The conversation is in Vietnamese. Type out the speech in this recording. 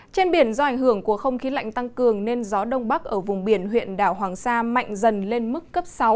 trên biển do ảnh hưởng của không khí lạnh tăng cường nên gió đông bắc ở vùng biển huyện đảo hoàng sa mạnh dần lên mức cấp sáu